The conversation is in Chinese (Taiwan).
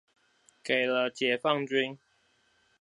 給了解放軍